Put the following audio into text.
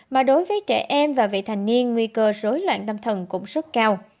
mà đối với trẻ em và vị thành niên nguy cơ rối loạn tâm thần cũng rất cao